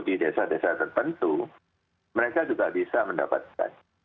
di desa desa tertentu mereka juga bisa mendapatkan